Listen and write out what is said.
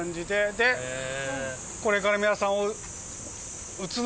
でこれから皆さんを。